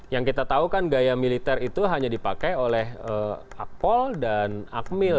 yang kita tahu kan gaya militer itu hanya dipakai oleh akpol dan akmil